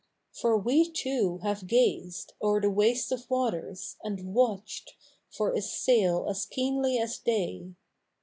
For we, too, have gazed O^er the waste of waters, and watched For a sail as keenly as they.